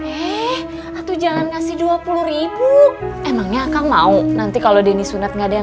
eh atau jangan ngasih dua puluh emangnya akan mau nanti kalau deni sunat nggak ada yang